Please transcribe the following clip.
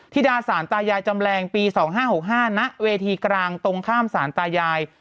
ธิดาสารตายายจำแรงปี๒๕๖๕ณเวทีกลางตรงข้ามสารตายาย